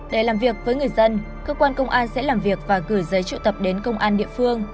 để làm việc với người dân cơ quan công an sẽ làm việc và gửi giấy triệu tập đến công an địa phương